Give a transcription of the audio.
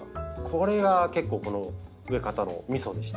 これが結構この植え方のみそでして。